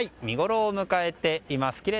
見ごろを迎えています。